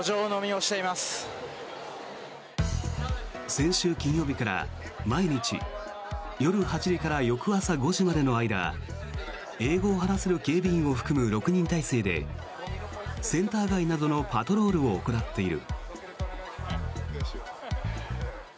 先週金曜日から毎日夜８時から翌朝５時までの間英語を話せる警備員を含む６人体制でセンター街などのパトロールを行っている。